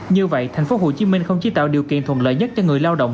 như vậy tp hcm không chỉ tạo điều kiện thuận lợi nhất cho người lao động